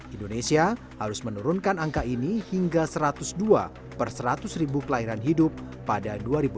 indonesia harus menurunkan angka ini hingga satu ratus dua per seratus ribu kelahiran hidup pada dua ribu enam belas